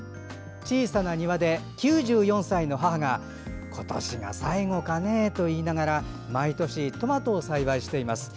小さな庭で９４歳の母が今年が最後かねといいながら毎年、トマトを栽培しています。